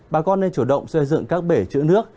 bà con nên chủ động xây dựng các bể chữ nước